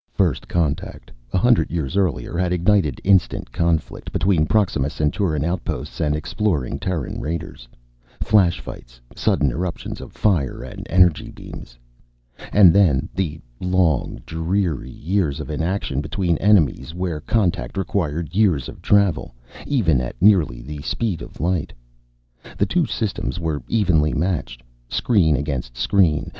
First contact, a hundred years earlier, had ignited instant conflict between Proxima Centauran outposts and exploring Terran raiders. Flash fights, sudden eruptions of fire and energy beams. And then the long, dreary years of inaction between enemies where contact required years of travel, even at nearly the speed of light. The two systems were evenly matched. Screen against screen.